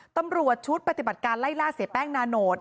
ตำรวจชุดปฏิบัติการไล่ล่าเสียแป้งนาโนต